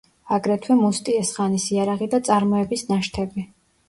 აგრეთვე მუსტიეს ხანის იარაღი და წარმოების ნაშთები.